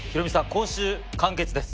今週完結です。